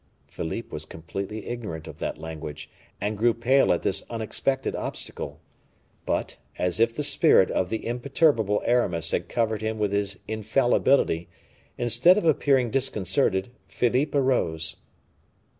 Philippe was completely ignorant of that language, and grew pale at this unexpected obstacle. But, as if the spirit of the imperturbable Aramis had covered him with his infallibility, instead of appearing disconcerted, Philippe rose.